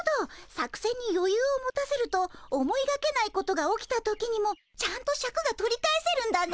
作せんによゆうを持たせると思いがけないことが起きた時にもちゃんとシャクが取り返せるんだね。